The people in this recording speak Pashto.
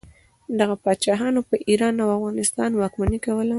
دغه پاچاهانو په ایران او افغانستان واکمني کوله.